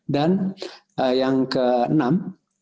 dan yang keenam